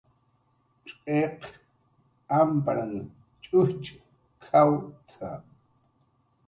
"cx'iq ampranhn ch'ujchk""awt""a "